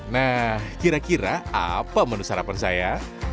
nah kira kira apa menu sarapan saya